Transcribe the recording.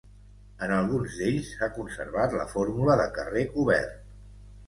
En alguns d'ells s'ha conservat la fórmula de carrer cobert.